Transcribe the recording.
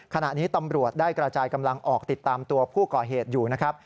ขณะนี้ตำรวจได้กระจายกำลังออกติดตามตัวผู้ก่อเหตุอยู่นะครับ